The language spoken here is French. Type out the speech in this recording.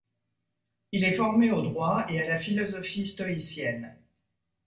Il est formé au droit et à la philosophie stoïcienne.